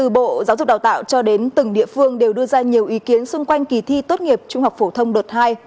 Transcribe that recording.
bộ giáo dục đào tạo cho đến từng địa phương đều đưa ra nhiều ý kiến xung quanh kỳ thi tốt nghiệp trung học phổ thông đợt hai